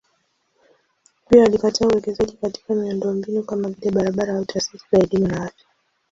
Hivyo alikataa uwekezaji katika miundombinu kama vile barabara au taasisi za elimu na afya.